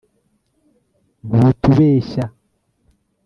ntutubeshya